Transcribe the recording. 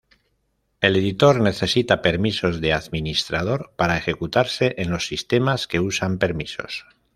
El editor necesita permisos de administrador para ejecutarse en los sistemas que usan permisos.